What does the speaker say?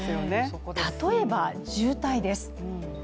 例えば渋滞です。